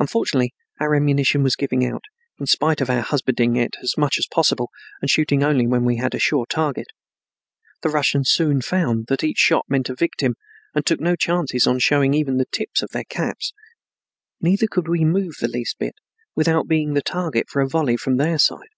Unfortunately our ammunition was giving out, in spite of our husbanding it as much as possible and shooting only when we had a sure target. The Russians soon found that each shot meant a victim and took no chances on showing even the tips of their caps. Neither could we move the least bit without being the target for a volley from their side.